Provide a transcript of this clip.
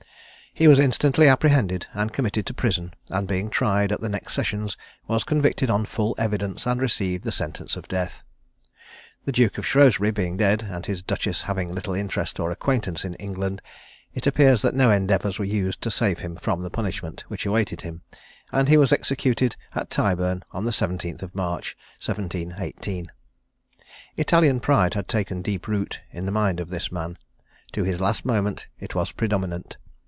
He was instantly apprehended, and committed to prison; and being tried at the next sessions, was convicted on full evidence, and received sentence of death. The Duke of Shrewsbury being dead, and his duchess having little interest or acquaintance in England, it appears that no endeavours were used to save him from the punishment which awaited him, and he was executed at Tyburn on the 17th of March, 1718. Italian pride had taken deep root in the mind of this man. To his last moment it was predominant.